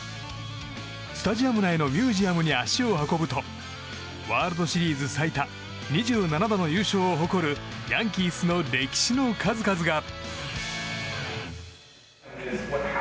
スタジアム内のミュージアムに足を運ぶとワールドシリーズ最多２７度の優勝を誇るヤンキースの歴史の数々が。